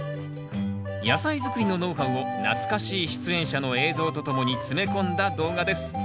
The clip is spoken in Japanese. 野菜作りのノウハウを懐かしい出演者の映像とともに詰め込んだ動画です